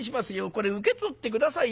これ受け取って下さいよ。